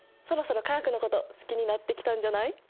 そろそろ化学のこと好きになってきたんじゃない？